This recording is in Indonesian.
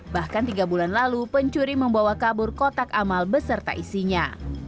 bahkan tiga bulan lalu pencuri membawa kabur kotak amal beserta isinya